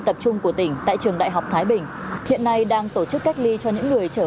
tập trung của tỉnh tại trường đại học thái bình hiện nay đang tổ chức cách ly cho những người trở